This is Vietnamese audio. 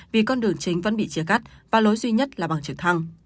vì con đường chính vẫn bị chia cắt và lối duy nhất là bằng trực thăng